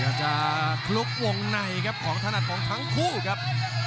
อาจจะคลุกวงในครับของถนัดของทั้งคู่ครับ